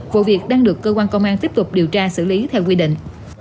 vụ việc đang được cơ quan công an tiếp tục điều tra xử lý theo quy định